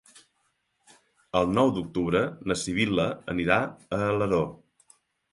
El nou d'octubre na Sibil·la anirà a Alaró.